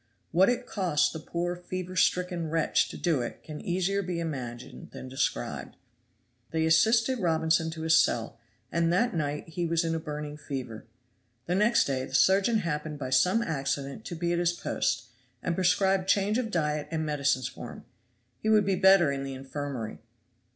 What it cost the poor fever stricken wretch to do it can easier be imagined than described. They assisted Robinson to his cell, and that night he was in a burning fever. The next day the surgeon happened by some accident to be at his post, and prescribed change of diet and medicines for him. "He would be better in the infirmary."